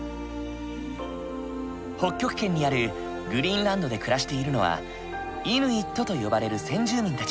北極圏にあるグリーンランドで暮らしているのはイヌイットと呼ばれる先住民たち。